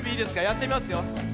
やってみますよ。